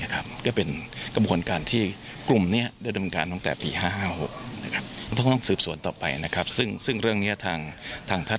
ก็เป็นกระบวนการที่กลุ่มนี้ได้ดำเนินการตั้งแต่ปี๕๕๕๖